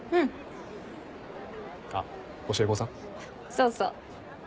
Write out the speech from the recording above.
そうそう。